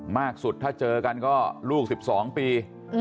มากสุดถ้าเจอกันก็ลูก๑๒ปี